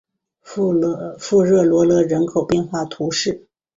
富热罗勒人口变化图示